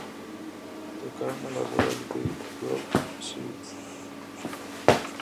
Tocaron en la boda de Brooke Shields.